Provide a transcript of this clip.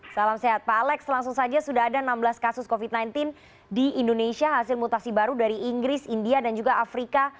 salam sehat pak alex langsung saja sudah ada enam belas kasus covid sembilan belas di indonesia hasil mutasi baru dari inggris india dan juga afrika